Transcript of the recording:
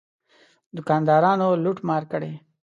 دوکاندارانو لوټ مار کړی.